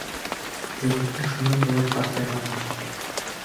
Егеттең шунан булыр ҡартайғаны.